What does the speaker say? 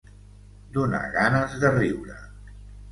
Donar ganes de riure.